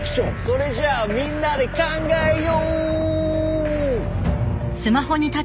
「それじゃあみんなで考えよう」